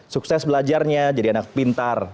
sukses belajarnya jadi anak pintar